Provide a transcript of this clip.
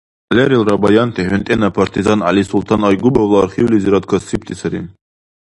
Лерилра баянти хӀунтӀена партизан ГӀялисултӀан Айгубовла архивлизирад касибти сари.